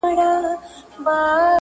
• او کلمات یې په غوږونو کي شرنګی کوي -